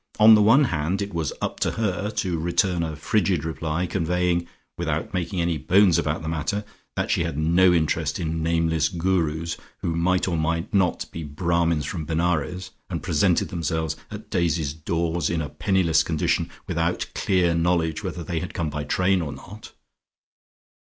On the one hand it was "up to her" to return a frigid reply, conveying, without making any bones about the matter, that she had no interest in nameless Gurus who might or might not be Brahmins from Benares and presented themselves at Daisy's doors in a penniless condition without clear knowledge whether they had come by train or not.